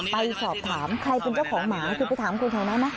ไปสอบถามใครเป็นเจ้าของหมาคือไปถามคนแถวนั้นไหม